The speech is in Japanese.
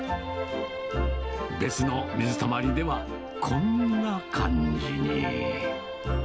別の水たまりでは、こんな感じに。